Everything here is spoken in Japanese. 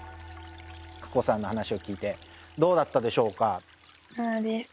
ＫＵＫＯさんの話を聞いてどうだったでしょうか？